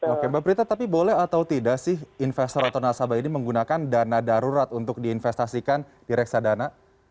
oke mbak prita tapi boleh atau tidak sih investor atau nasabah ini menggunakan dana darurat untuk diinvestasikan di reksadana